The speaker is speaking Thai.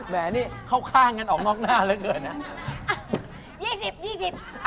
แหมนี่เข้าข้างกันออกนอกหน้าเหลือเกินนะ